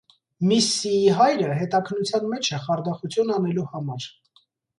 Միսսիի հայրը հետաքննության մեջ է խարդախություն անելու համար։